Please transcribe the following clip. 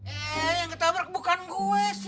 eh yang ketabrak bukan gue sih